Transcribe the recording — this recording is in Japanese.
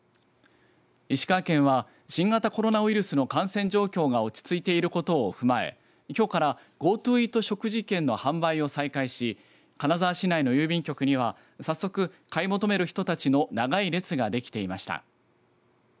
石川県は新型コロナウイルスの感染状況が落ち着いていることを踏まえきょうからＧｏＴｏイート食事券の販売を再開し金沢市内の郵便局には早速、買い求める人たちの長い列ができていました。